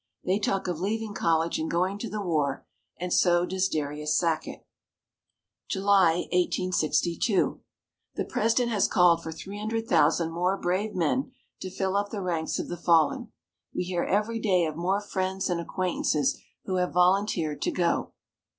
They talk of leaving college and going to the war and so does Darius Sackett. July, 1862. The President has called for 300,000 more brave men to fill up the ranks of the fallen. We hear every day of more friends and acquaintances who have volunteered to go.